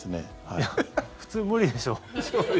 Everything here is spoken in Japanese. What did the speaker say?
いや、普通無理でしょ。